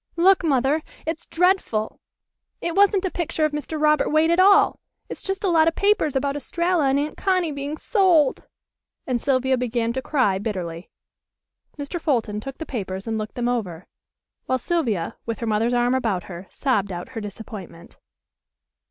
"Look, Mother! It's dreadful. It wasn't a picture of Mr. Robert Waite at all. It's just a lot of papers about Estralla and Aunt Connie being sold," and Sylvia began to cry bitterly. Mr. Fulton took the papers and looked them over, while Sylvia with her mother's arm about her sobbed out her disappointment.